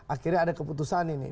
akhirnya ada keputusan ini